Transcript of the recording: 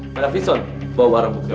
pada visi kamu harus mencari penyelesaian